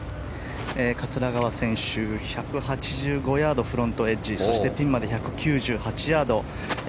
桂川選手１８５ヤード、フロントエッジそしてピンまで１９８ヤード。